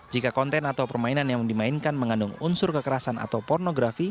jika konten atau permainan yang dimainkan mengandung unsur kekerasan atau pornografi